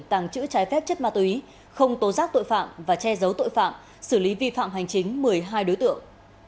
tàng trữ trái phép chất ma túy không tố giác tội phạm và che giấu tội phạm xử lý vi phạm hành chính một mươi hai đối tượng